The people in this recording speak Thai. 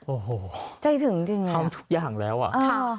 โอ้โหใจถึงจริงทำทุกอย่างแล้วอ่ะค่ะ